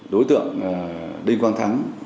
đối tượng đinh quang thắng